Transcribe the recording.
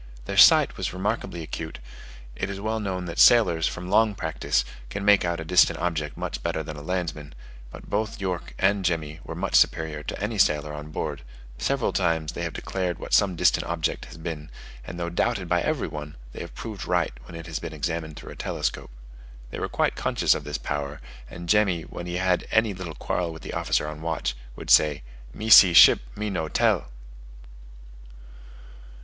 Their sight was remarkably acute; it is well known that sailors, from long practice, can make out a distant object much better than a landsman; but both York and Jemmy were much superior to any sailor on board: several times they have declared what some distant object has been, and though doubted by every one, they have proved right, when it has been examined through a telescope. They were quite conscious of this power; and Jemmy, when he had any little quarrel with the officer on watch, would say, "Me see ship, me no tell."